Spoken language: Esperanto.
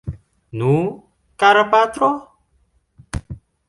Nu, kara patro?